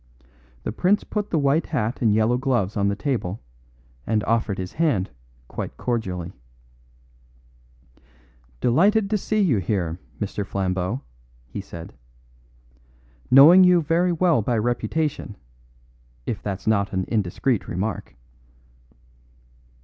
The prince put the white hat and yellow gloves on the table and offered his hand quite cordially. "Delighted to see you here, Mr. Flambeau," he said. "Knowing you very well by reputation, if that's not an indiscreet remark."